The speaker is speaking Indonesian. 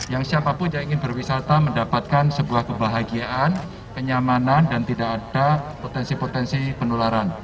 yang siapapun yang ingin berwisata mendapatkan sebuah kebahagiaan kenyamanan dan tidak ada potensi potensi penularan